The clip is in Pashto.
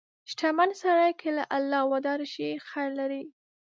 • شتمن سړی که له الله وډار شي، خیر لري.